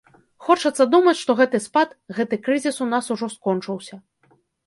Хочацца думаць, што гэты спад, гэты крызіс у нас ужо скончыўся.